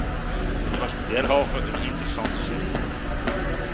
Het was derhalve een interessante zet.